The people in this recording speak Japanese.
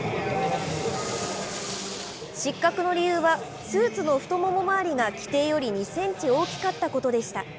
失格の理由は、スーツの太もも周りが規定より２センチ大きかったことでした。